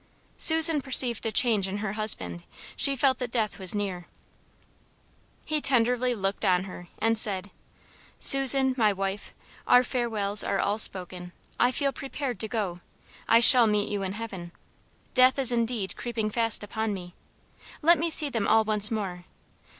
Susan perceived a change in her husband. She felt that death was near. He tenderly looked on her, and said, "Susan, my wife, our farewells are all spoken. I feel prepared to go. I shall meet you in heaven. Death is indeed creeping fast upon me. Let me see them all once more.